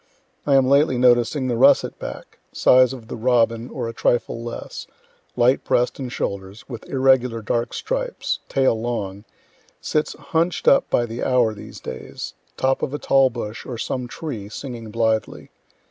I am lately noticing the russet back, size of the robin or a trifle less, light breast and shoulders, with irregular dark stripes tail long sits hunch'd up by the hour these days, top of a tall bush, or some tree, singing blithely.